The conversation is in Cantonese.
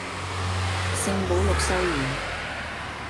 聖保祿修院